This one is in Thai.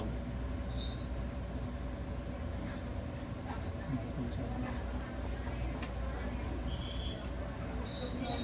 อืมอืมอืมอืมอืม